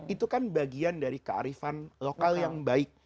itu kan bagian dari kearifan lokal yang baik